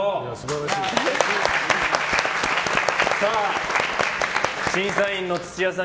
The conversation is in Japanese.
さあ、審査員の土屋さん